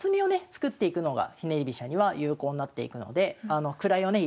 作っていくのがひねり飛車には有効になっていくので位をね